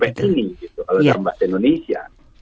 mpi gitu kalau nambah indonesia